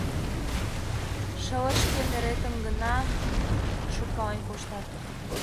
Шылышке неретым гына шуркален коштат.